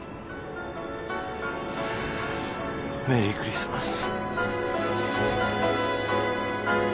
メリークリスマス。